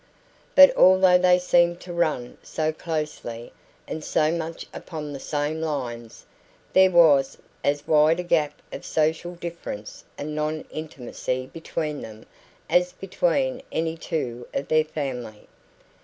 But although they seemed to run so closely, and so much upon the same lines, there was as wide a gap of social difference and non intimacy between them as between any two of their family.